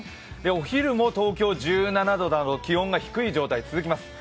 お昼も東京、１７度など気温が低い状態続きます。